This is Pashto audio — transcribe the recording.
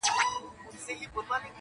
o په يوه ماهي ټوله تالاو مردارېږي٫